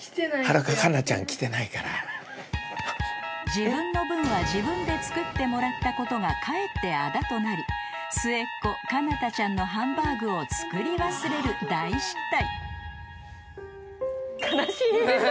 ［自分の分は自分で作ってもらったことがかえってあだとなり末っ子かなたちゃんのハンバーグを作り忘れる大失態］